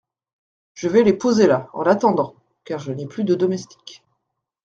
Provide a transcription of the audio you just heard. Je vais les poser là, en attendant … car je n'ai plus de domestiques …